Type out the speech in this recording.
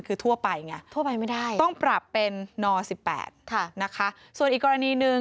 คือทั่วไปไงต้องปรับเป็นน๑๘นะคะส่วนอีกกรณีหนึ่ง